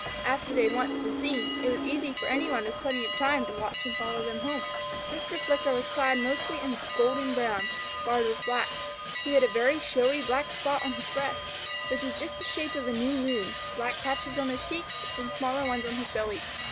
After they had once been seen, it was easy for any one with plenty of time to watch and follow them home. Mr. Flicker was clad mostly in golden brown, barred with black. He had a very showy black spot on his breast, which was just the shape of a new moon, black patches on his cheeks and smaller ones on his belly.